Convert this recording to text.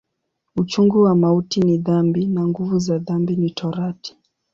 Uchungu wa mauti ni dhambi, na nguvu za dhambi ni Torati.